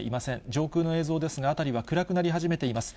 上空の映像ですが、辺りは暗くなり始めています。